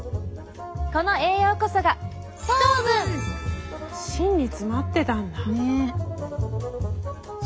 この栄養こそが芯に詰まってたんだ。ね。